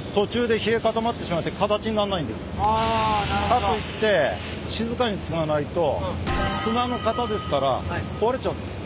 かといって静かにつがないと砂の型ですから壊れちゃうんです。